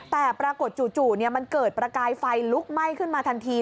แต่ปรากฏจู่มันเกิดประกายไฟลุกไหม้ขึ้นมาทันที